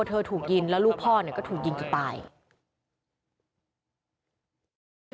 เศรษฐ์เบิ่งเมื่องมือนะครับ